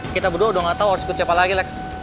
kita berdua udah gak tau harus ikut siapa lagi alex